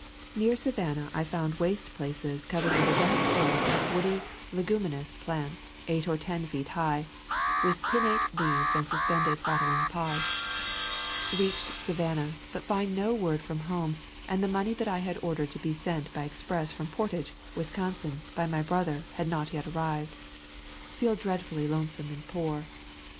Near Savannah I found waste places covered with a dense growth of [ 64 ] River Country of Georgia woody leguminous plants, eight or ten feet high, with pinnate leaves and suspended rattling pods. Reached Savannah, but find no word from home, and the money that I had ordered to be sent by express from Portage [Wisconsin] by my brother had not yet arrived. Feel dreadfully lonesome and poor.